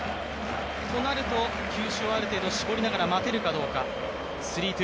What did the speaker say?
となると球種はある程度絞りながら待てるかどうか。